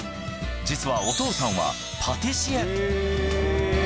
実はお父さんはパティシエ。